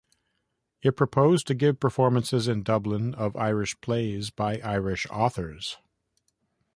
It proposed to give performances in Dublin of Irish plays by Irish authors.